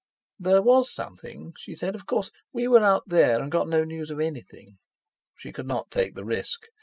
"There was something," she said. "Of course we were out there, and got no news of anything." She could not take the risk.